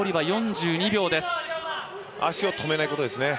足を止めないことですね。